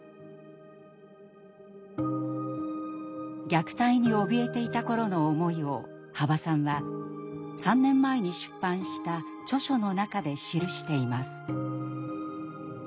虐待におびえていた頃の思いを羽馬さんは３年前に出版した著書の中で記しています。